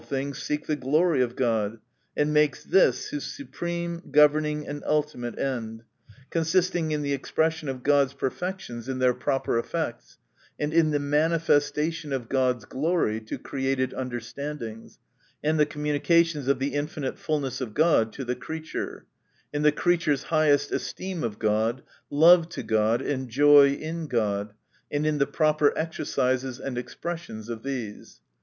iings seek the glory of God, and makes this his supreme, governing, and ultimate end ; con sisting in the expression of God's perfections in their proper effects, and in the manifestation of God's glory to created understandings, and the communications of the infinite fulness of God to the creature ; in the creature's highest esteem of God, love to God, and joy in God, and in the proper exercises and expres sions of these.